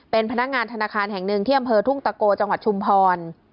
เป็นพนักงานธนาคารแห่งหนึ่งที่อำเภอทุ่งตะโกจังหวัดชุมพร